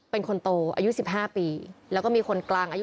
ส่วนของชีวาหาย